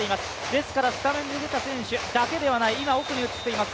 ですからスタメンに出た選手だけではない今、奥に映っています